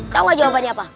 kau mah jawabannya apa